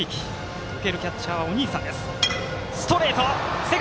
受けるキャッチャーお兄さんです。